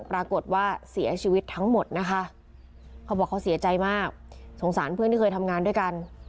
ปรากฏว่าเสียชีวิตทั้งหมดนะคะเขาบอกเขาเสียใจมากสงสารเพื่อนที่เคยทำงานด้วยกัน